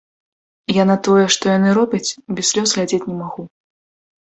Я на тое, што яны робяць, без слёз глядзець не магу.